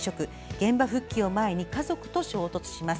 現場復帰を前に家族と衝突します。